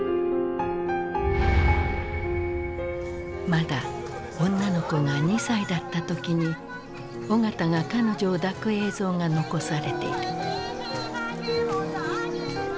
まだ女の子が２歳だった時に緒方が彼女を抱く映像が残されている。